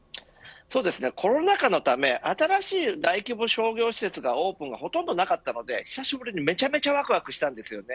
コロナ禍のため新しい大規模商業施設のオープンがほとんどなかったため久しぶりにめちゃめちゃわくわくしました。